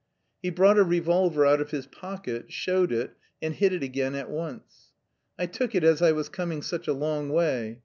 He brought a revolver out of his pocket, showed it, and hid it again at once. "I took it as I was coming such a long way....